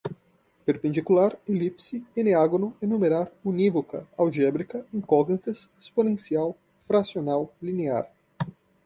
perpendicular, elipse, eneágono, enumerar, unívoca, algébrica, incógnitas, exponencial, fracional, linear